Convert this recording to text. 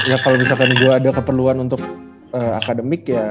ya kalau misalkan gue ada keperluan untuk akademik ya